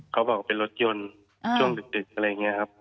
เขาบอกเป็นรถยนต์ช่วงดึกอะไรอย่างนี้ครับ